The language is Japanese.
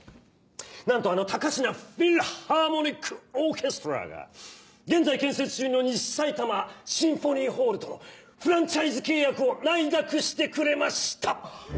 なんとあの高階フィルハーモニック・オーケストラが現在建設中の西さいたまシンフォニーホールとのフランチャイズ契約を内諾してくれました！